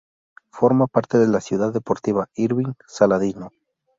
Forma parte de la Ciudad Deportiva Irving Saladino.